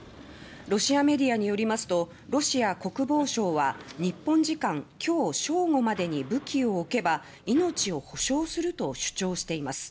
ロシアメディアによりますとロシア国防省は日本時間今日正午までに武器を置けば命を保証すると主張しています。